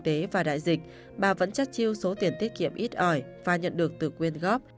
tế và đại dịch bà vẫn chắc chiêu số tiền tiết kiệm ít ỏi và nhận được từ quyên góp